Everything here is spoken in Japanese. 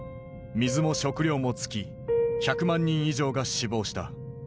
水も食料も尽き１００万人以上が死亡した。